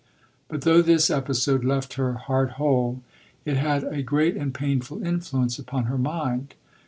But though this episode left her heart whole, it had a great and painful influence upon her mind.